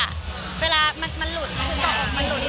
มันเหมือนกับมันเหมือนกับมันเหมือนกับ